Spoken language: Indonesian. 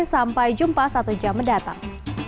sampai jumpa satu jam mendatang